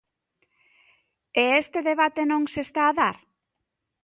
E este debate non se está a dar.